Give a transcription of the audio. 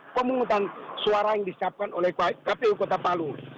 pemungutan suara yang disiapkan oleh kpu kota palu